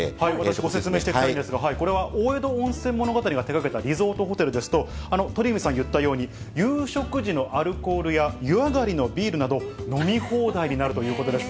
ご説明していきたいんですが、これは大江戸温泉物語が手がけたリゾートホテルですと、鳥海さん言ったように、夕食時のアルコールや、湯上りのビールなど、飲み放題になるということです。